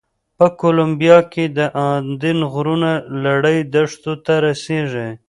په کولمبیا کې د اندین غرونو لړۍ دښتو ته رسېږي.